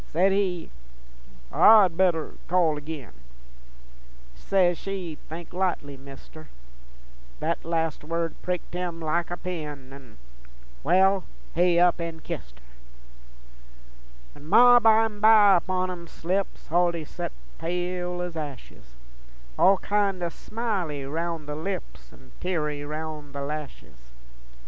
Says he, 'I'd better call agin:' Says she, 'Think likely, Mister:' Thet last word pricked him like a pin, An' ... Wal, he up an' kist her. When Ma bimeby upon 'em slips, Huldy sot pale ez ashes, All kin' o' smily roun' the lips An' teary roun' the lashes.